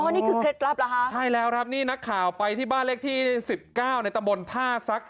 นี่คือเคล็ดลับเหรอคะใช่แล้วครับนี่นักข่าวไปที่บ้านเลขที่สิบเก้าในตำบลท่าซัก